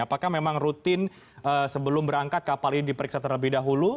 apakah memang rutin sebelum berangkat kapal ini diperiksa terlebih dahulu